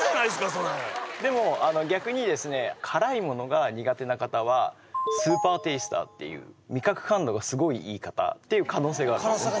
それでも逆にですね辛いものが苦手な方はスーパーテイスターっていう味覚感度がすごいいい方っていう可能性があるんですね